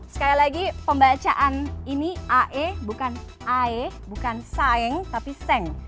sekali lagi pembacaan ini ae bukan ae bukan sayeng tapi seng